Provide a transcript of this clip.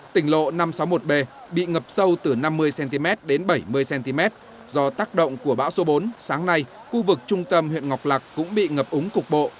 tỉnh lộ năm trăm sáu mươi một b bị ngập sâu từ năm mươi cm đến bảy mươi cm do tác động của bão số bốn sáng nay khu vực trung tâm huyện ngọc lạc cũng bị ngập úng cục bộ